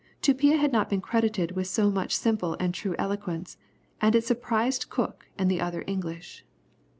Tupia had not been credited with so much simple and true eloquence, and it surprised Cook and the other English.